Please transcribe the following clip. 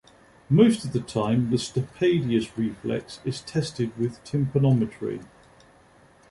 Most of the time, the stapedius reflex is tested with tympanometry.